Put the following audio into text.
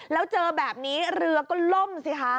แล้วเจอแบบนี้เรือก็ล่มสิคะ